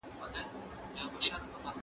تور د میني لونګین په تورو تور سوم